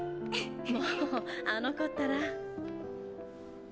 もうあの子ったら。